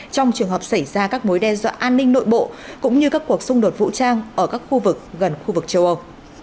trong trường hợp xảy ra các mối đe dọa an ninh nội bộ cũng như các cuộc xung đột vũ trang ở các khu vực gần khu vực châu âu